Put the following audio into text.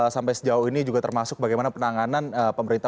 sampai sejauh ini juga termasuk bagaimana penanganan pemerintah